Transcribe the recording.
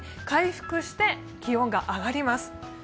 回復して気温が上がります。